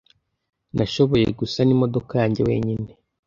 Nashoboye gusana imodoka yanjye wenyine.